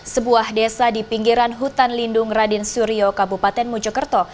sebuah desa di pinggiran hutan lindung radin suryo kabupaten mojokerto